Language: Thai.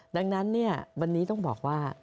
ดังนั้นวันนี้ต้องบอกว่า